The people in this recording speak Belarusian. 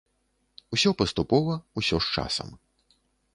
Усё паступова, усё з часам.